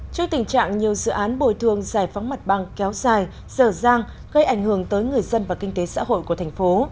trước tình trạng nhiều dự án bồi thường giải phóng mặt bằng kéo dài dở dang gây ảnh hưởng tới người dân và kinh tế xã hội của thành phố